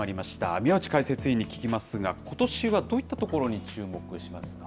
宮内解説委員に聞きますが、ことしはどういったところに注目しま